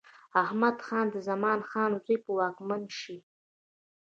احمد خان د زمان خان زوی به واکمن شي.